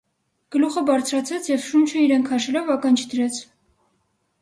Գլուխը բարձրացրեց և շունչը իրեն քաշելով ականջ դրեց: